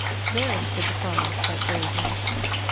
" Very," said the Father, quite gravely.